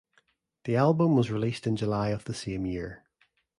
The album was released in July of the same year.